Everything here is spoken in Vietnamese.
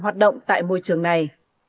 hoạt động tại môi trường này